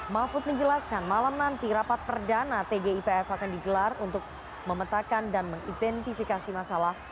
mahfud menjelaskan malam nanti rapat perdana tgipf akan digelar untuk memetakan dan mengidentifikasi masalah